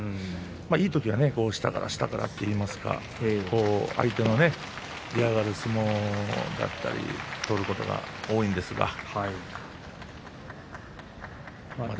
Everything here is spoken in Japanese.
いい時は下から下からと言いますか相手の嫌がる相撲だったり取ることが多いんですがまだまだね。